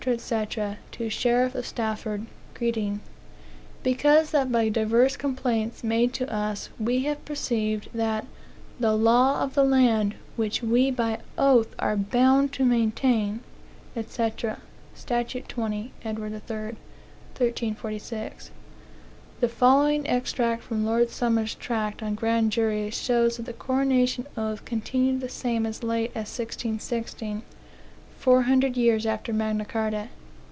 ect., to the Sheriff of Stafford, Greeting: Because that by divers complaints made to us, we have perceived that the law of the land, which we by oath are bound to maintain," ect. St. 20 Edward III. (1346.) The following extract from Lord Somers' tract on Grand Juries shows that the coronation oath continued the same as late as 1616, (four hundred years after Magna Carta.)